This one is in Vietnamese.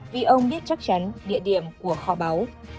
vì ông biết chắc chắn địa điểm của kho báu